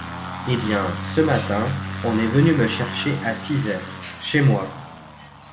Eh bien, ce matin, on est venu me chercher à six heures… chez moi…